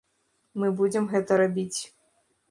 Мы будзем гэта рабіць.